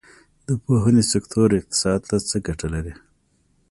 د پوهنې سکتور اقتصاد ته څه ګټه لري؟